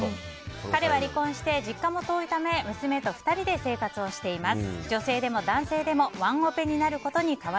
彼は離婚して実家も遠いため娘と２人で生活をしています。